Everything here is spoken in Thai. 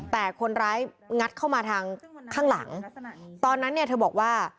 แต่คนร้ายงัดเข้ามาทางข้างหลังตอนนั้นเนี่ยเธอบอกว่า